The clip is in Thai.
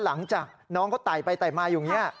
หลังจากน้อนเขาต่อยไปต่อยมาอยู่นี่